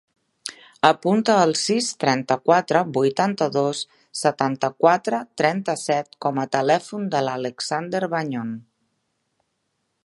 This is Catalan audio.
Apunta el sis, trenta-quatre, vuitanta-dos, setanta-quatre, trenta-set com a telèfon de l'Alexander Bañon.